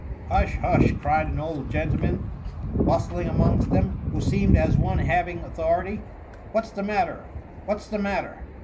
'"^^ Hush ! hush,^ cried an old gentleman bustling amongst them, who seemed as one hav ing authority. "What's the matter? what's the matter